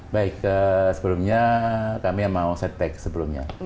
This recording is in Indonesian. baik sebelumnya kami yang mau setback sebelumnya